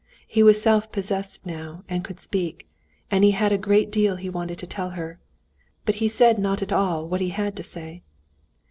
He was self possessed now and could speak, and he had a great deal he wanted to tell her. But he said not at all what he had to say.